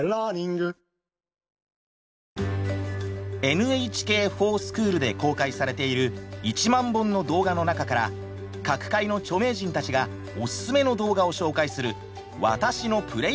「ＮＨＫｆｏｒＳｃｈｏｏｌ」で公開されている１万本の動画の中から各界の著名人たちがおすすめの動画を紹介する「わたしのプレイリスト」！